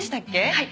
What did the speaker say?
はい。